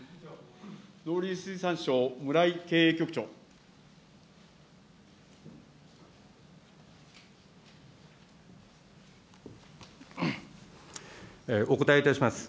農林水産省、お答えいたします。